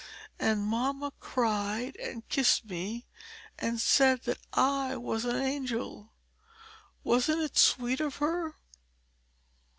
And mamma cried and kissed me, and said that I was an angel: wasn't it sweet of her?